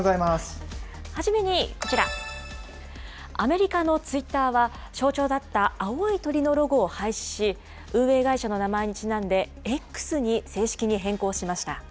初めにこちら、アメリカのツイッターは、象徴だった青い鳥のロゴを廃止し、運営会社の名前にちなんでＸに正式に変更しました。